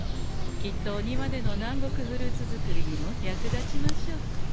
きっとお庭での南国フルーツ作りにも役立ちましょう。